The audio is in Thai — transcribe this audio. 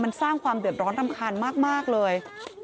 มันสร้างความเดือดร้อนรำคาญมากเลย